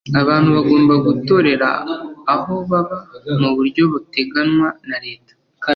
abantu bagomba gutorera aho baba mu buryo buteganywa na leta